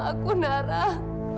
aku mimpi mama enggak aku